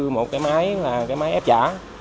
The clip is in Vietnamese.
một máy ép giả